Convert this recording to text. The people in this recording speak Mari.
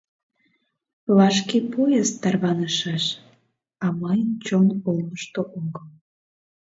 Вашке поезд тарванышаш, а мыйын чон олмышто огыл.